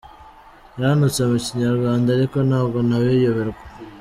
Yantutse mu Kinyarwanda ariko ntabwo nabiyoberwa.”